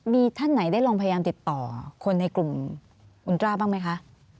มีท่านไหนได้ลองพยายามติดต่อคนในกลุ่มอุนตราบ้างไหมคะ